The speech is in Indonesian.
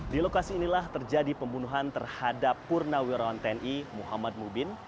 di lokasi inilah terjadi pembunuhan terhadap purnawirawan tni muhammad mubin